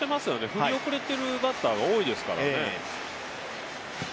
振り遅れているバッターが多いですからね。